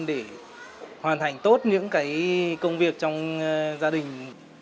để hoàn thành tốt những cái công việc trong gia đình